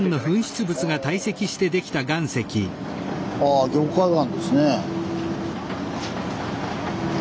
あ凝灰岩ですね。